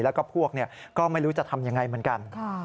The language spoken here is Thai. แล้วก็พวกก็ไม่รู้จะทำยังไงเหมือนกัน